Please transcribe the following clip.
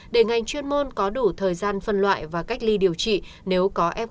để ngành chuyên môn có đủ thời gian phân loại và cách ly điều trị nếu có f